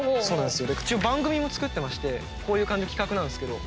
一応番組も作っていましてこういう感じの企画なんですけど。